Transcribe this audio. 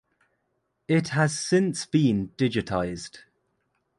It has since been digitised.